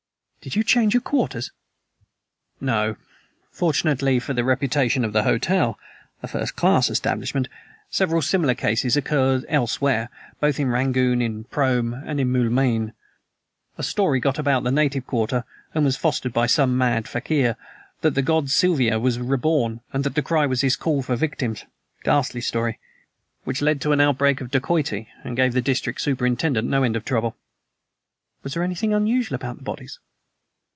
"Did you change your quarters?" "No. Fortunately for the reputation of the hotel a first class establishment several similar cases occurred elsewhere, both in Rangoon, in Prome and in Moulmein. A story got about the native quarter, and was fostered by some mad fakir, that the god Siva was reborn and that the cry was his call for victims; a ghastly story, which led to an outbreak of dacoity and gave the District Superintendent no end of trouble." "Was there anything unusual about the bodies?"